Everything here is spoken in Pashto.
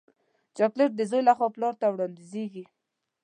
چاکلېټ د زوی له خوا پلار ته وړاندیزېږي.